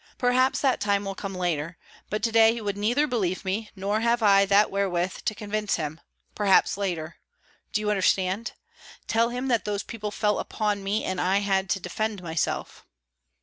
Perhaps that time will come later; but to day he would neither believe me, nor have I that wherewith to convince him, perhaps later Do you understand? Tell him that those people fell upon me and I had to defend myself."